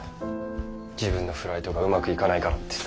自分のフライトがうまくいかないからってさ。